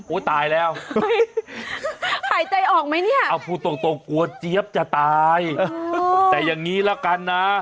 ตายแล้วหายใจออกไหมเนี่ยเอาพูดตรงตรงกลัวเจี๊ยบจะตายแต่อย่างนี้ละกันนะ